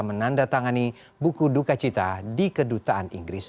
menandatangani buku duka cita di kedutaan inggris